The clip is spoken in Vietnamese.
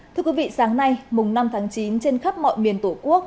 thưa quý vị sáng nay mùng năm tháng chín trên khắp mọi miền tổ quốc